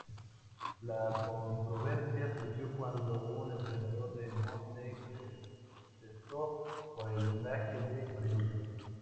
La controversia surgió cuando un entrenador de Mosley protestó por el vendaje de Margarito.